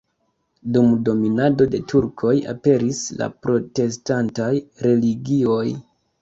Dum dominado de turkoj aperis la protestantaj religioj.